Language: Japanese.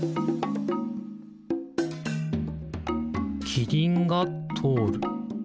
キリンがとおる。